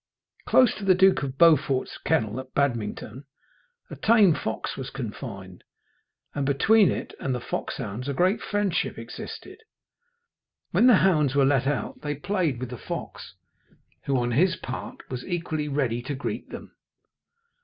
Close to the Duke of Beaufort's kennel at Badmington a tame fox was confined, and between it and the foxhounds a great friendship existed. When the hounds were let out they played with the fox, who, on his part, was equally ready to greet them.